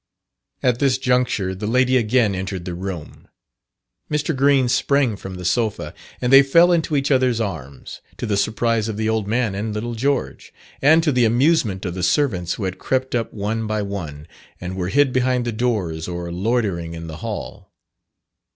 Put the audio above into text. At this juncture the lady again entered the room. Mr. Green sprang from the sofa, and they fell into each other's arms, to the surprise of the old man and little George, and to the amusement of the servants who had crept up one by one, and were hid behind the doors or loitering in the hall.